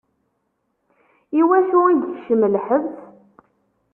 I wacu i yekcem lḥebs?